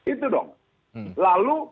itu dong lalu